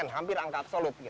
hampir angka absolut gitu